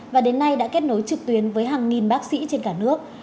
và đến nay đã kết nối trực tuyến với hàng nghìn bác sĩ trên cả nước